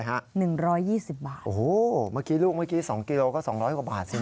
โอ้โหเมื่อกี้ลูกเมื่อกี้๒กิโลก็๒๐๐กว่าบาทสิ